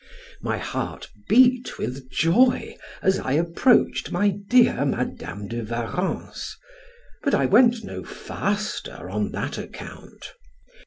My heart beat with joy as I approached my dear Madam de Warrens, but I went no faster on that account.